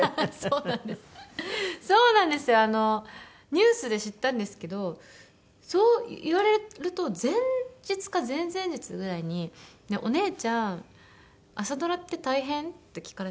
ニュースで知ったんですけどそう言われると前日か前々日ぐらいに「ねえお姉ちゃん朝ドラって大変？」って聞かれたんですよ。